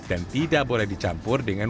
dan tidak boleh dicampur dengan